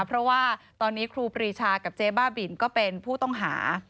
เพราะว่าตอนนี้ครูปรีชากับเจ๊บ้าบินก็เป็นผู้ต้องหา